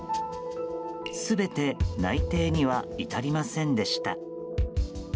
全て内定には至りませんでした。